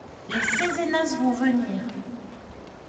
Les Césénas vont venir !